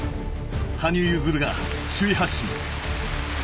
羽生結弦が首位発進。